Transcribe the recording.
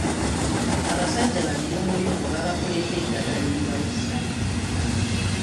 Abasajja baluyongoyongo baabakoledde eddagala eribawa essanyu.